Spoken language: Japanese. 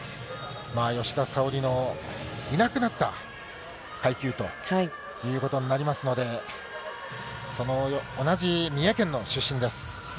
吉田沙保里のいなくなった階級ということになりますので、その同じ三重県の出身です。